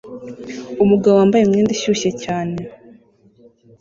Umugabo wambaye imyenda ishyushye cyane